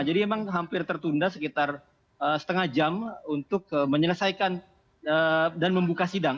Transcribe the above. jadi emang hampir tertunda sekitar setengah jam untuk menyelesaikan dan membuka sidang